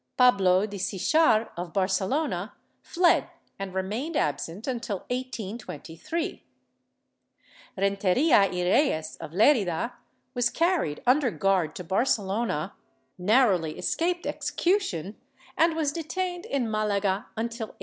Pablo de Sichar of Barcelona fled and remained absent until 1823. Renteria y Reyes of Lerida was carried under guard to Barcelona, narrowly escaped execution, and was detained in j\Ialaga until 1823.